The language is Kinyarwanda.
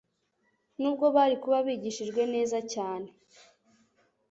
Nubwo bari kuba bigishijwe neza cyane,